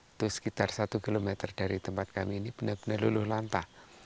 itu sekitar satu km dari tempat kami ini benar benar luluh lantah